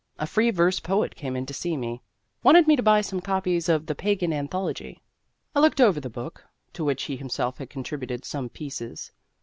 A free verse poet came in to see me, wanted me to buy some copies of "The Pagan Anthology." I looked over the book, to which he himself had contributed some pieces.